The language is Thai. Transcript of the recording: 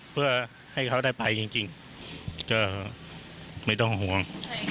เพื่อให้เขาได้ไปจริงก็ไม่ต้องห่วง